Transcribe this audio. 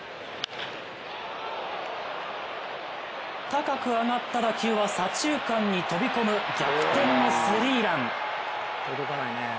高く上がった打球は左中間に飛び込む逆転のスリーラン。